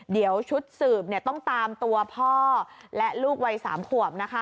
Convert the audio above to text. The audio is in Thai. เดี๋ยวชุดสืบต้องตามตัวพ่อและลูกวัย๓ขวบนะคะ